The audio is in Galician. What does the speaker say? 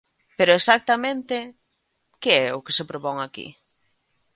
Pero, exactamente, ¿que é o que se propón aquí?